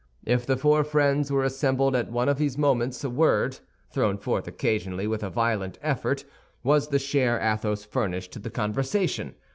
If the four friends were assembled at one of these moments, a word, thrown forth occasionally with a violent effort, was the share Athos furnished to the conversation.